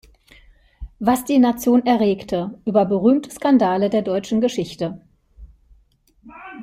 Was die Nation erregte" über berühmte Skandale der deutschen Geschichte.